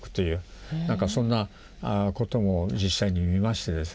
そんなことも実際に見ましてですね。